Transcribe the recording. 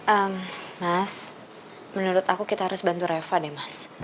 eh mas menurut aku kita harus bantu reva deh mas